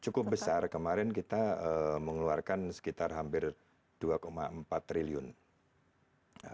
cukup besar kemarin kita mengeluarkan sekitar hampir dua empat triliun tahun dua ribu dua puluh satu ya